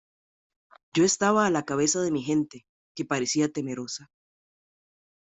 yo estaba a la cabeza de mi gente, que parecía temerosa ,